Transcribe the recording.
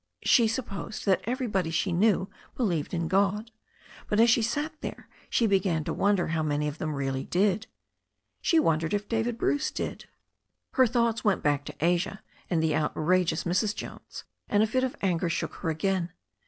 She supposed that everybody she knew believed in God. But as she sat there she began to wonder how many of them really did. She wondered if David Bruce did. Her thoughts went back to Asia and the outrageous Mrs, Jones, and a fit of anger shook her again.